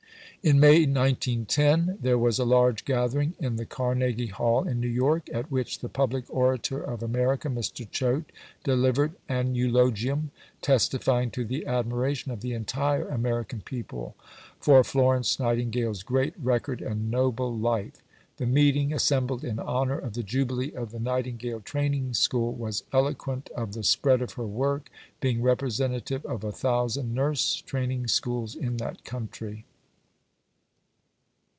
In May 1910 there was a large gathering in the Carnegie Hall in New York, at which the public orator of America, Mr. Choate, delivered an eulogium, "testifying to the admiration of the entire American people for Florence Nightingale's great record and noble life." The meeting, assembled in honour of the Jubilee of the Nightingale Training School, was eloquent of the spread of her work, being representative of a thousand Nurse Training Schools in that country.